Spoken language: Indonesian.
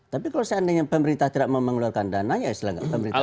tapi kalau seandainya pemerintah tidak mau mengeluarkan dana ya silahkan pemerintah